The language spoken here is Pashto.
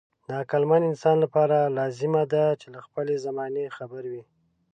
د عقلمن انسان لپاره لازمي ده چې له خپلې زمانې خبر وي.